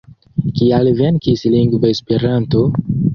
Kial venkis lingvo Esperanto?